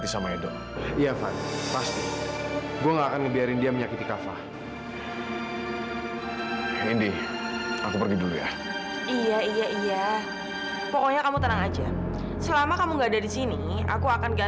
sampai jumpa di video selanjutnya